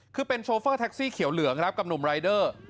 คือเป็นโชเฟอร์แท็กซี่เขียวเหลืองครับกับหนุ่มรายเดอร์